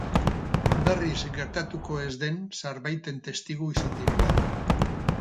Berriz gertatuko ez den zerbaiten testigu izan direla.